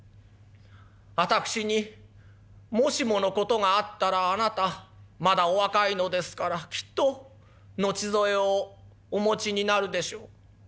私にもしもの事があったらあなたまだお若いのですからきっと後添えをお持ちになるでしょう。